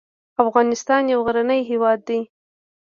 افغانستان يو غرنی هېواد دی.